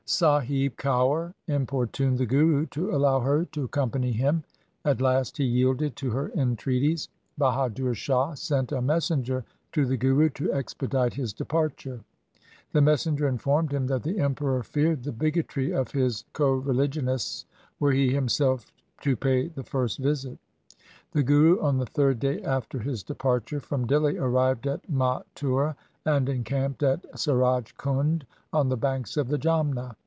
Sahib Kaur importuned the Guru to allow her to accompany him. At last he yielded to her entreaties. Bahadur Shah sent a messenger to the Guru to ex pedite his departure. The messenger informed him that the Emperor feared the bigotry of his co religionists were he himself to pay the first visit. The Guru on the third day after his departure from Dihli arrived at Mathura and encamped at Suraj Kund, on the banks of the Jamna.